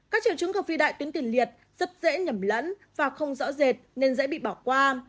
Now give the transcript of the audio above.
các triều chứng gặp vi đại tuyến tiền liệt rất dễ nhẩm lẫn và không rõ rệt nên dễ bị bỏ qua